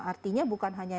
artinya bukan hanya